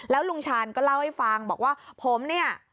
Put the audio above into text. แล้วลุงชาญก็เล่าให้ฟังบอกว่าผมเนี่ย